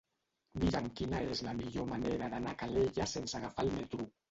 Mira'm quina és la millor manera d'anar a Calella sense agafar el metro.